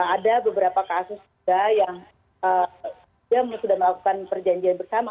ada beberapa kasus juga yang sudah melakukan perjanjian bersama